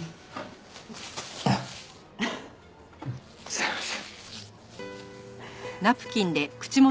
すいません。